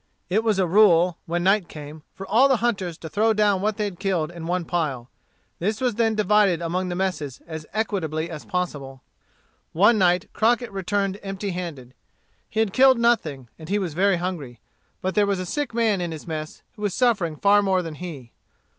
It was a rule, when night came, for all the hunters to throw down what they had killed in one pile. This was then divided among the messes as equitably as possible. One night, Crockett returned empty handed. He had killed nothing, and he was very hungry. But there was a sick man in his mess, who was suffering far more than he.